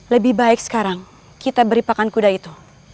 lebih baik sekarang kita beri pakan kuda itu